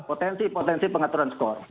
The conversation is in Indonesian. potensi potensi pengaturan skor